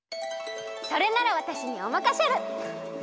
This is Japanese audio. それならわたしにおまかシェル！